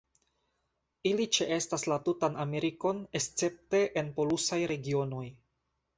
Ili ĉeestas la tutan Amerikon escepte en polusaj regionoj.